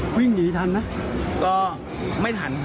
จึงไม่ได้เอดในแม่น้ำ